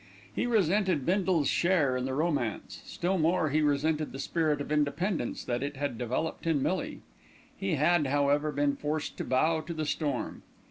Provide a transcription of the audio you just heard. He resented Bindle's share in the romance, still more he resented the spirit of independence that it had developed in Millie. He had, however, been forced to bow to the storm.